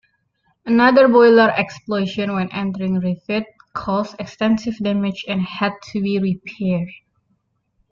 Another boiler explosion when entering refit caused extensive damage and had to be repaired.